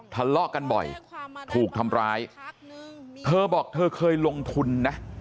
ทะเลาะกันบ่อยถูกทำร้ายเธอบอกเธอเคยลงทุนนะ